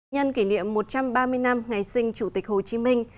nhân kỷ niệm một trăm ba mươi năm ngày sinh chủ tịch hồ chí minh